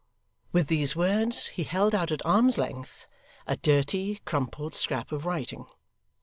With these words he held out at arm's length, a dirty, crumpled scrap of writing.